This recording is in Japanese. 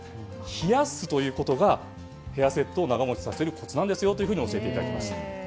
冷やすということがヘアセットを長持ちさせるコツだと教えていただきました。